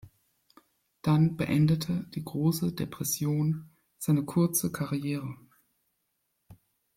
Dann beendete die Große Depression seine kurze Karriere.